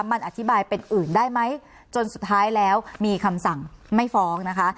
มันอธิบายเป็นอื่นได้ไหมจนสุดท้ายแล้วมีคำสั่งไม่ฟ้องนะคะ